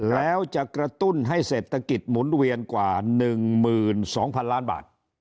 แล้วจะกระตุ้นให้เศรษฐกิจหมุนเวียนกว่า๑๒๐๐๐ล้านบาท